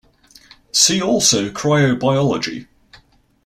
See also cryobiology.